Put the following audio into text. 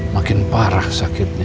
makin parah sakitnya